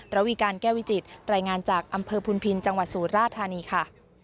ระวีการแก้วิจิตรายงานจากอำเภอพุนพินจังหวัดสุราธานีค่ะ